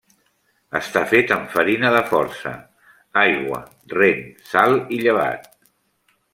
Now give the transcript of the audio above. Està fet amb farina de força, aigua, rent, sal i llevat.